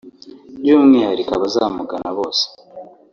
by’umwihariko abazamugana bose